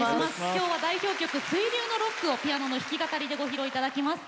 今回は代表曲「水流のロック」をピアノの弾き語りでご披露いただきます。